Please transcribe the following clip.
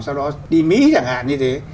sau đó đi mỹ chẳng hạn như thế